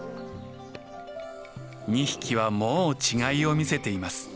２匹はもう違いを見せています。